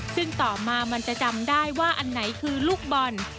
ซึ่งต่อมามันจะจำได้ว่าอันไหนคือลูกบอล